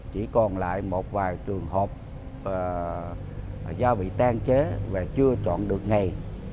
chỉ còn lại một vài trường hợp do bị tan chế và chưa chọn được ngày